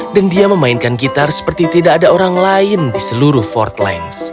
dan dia memainkan gitar seperti tidak ada orang lain di seluruh fort lange